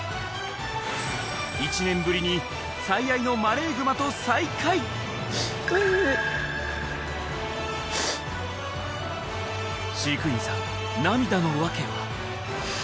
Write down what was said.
１年ぶりに最愛のマレーグマと再会飼育員さん涙の訳は？